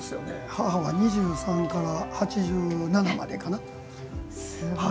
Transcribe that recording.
母が２３から８７までかな。